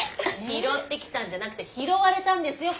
拾ってきたんじゃなくて拾われたんですよ！